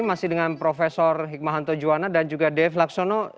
masih dengan prof hikmahanto juwana dan juga dev laksono